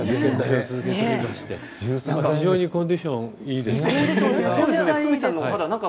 非常にコンディションがいいですしょ？